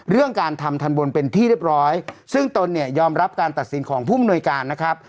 เรื่องการทำทันบนเป็นที่เรียบร้อยซึ่งตนเนี่ยยอมรับการตัดสินของผู้มนวยการนะครับ